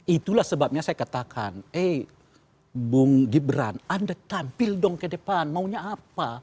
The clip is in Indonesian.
itulah sebabnya saya katakan eh bung gibran anda tampil dong ke depan maunya apa